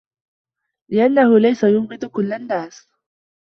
لِأَنَّهُ لَيْسَ يُبْغِضُ كُلَّ النَّاسِ